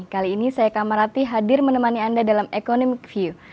kali ini saya eka marati hadir menemani anda dalam economic view